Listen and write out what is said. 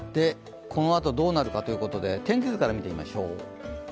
このあとどうなるかということで天気図から見てみましょう。